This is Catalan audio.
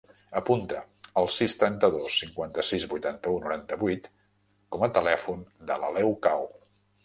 Apunta el sis, trenta-dos, cinquanta-sis, vuitanta-u, noranta-vuit com a telèfon de l'Aleu Cao.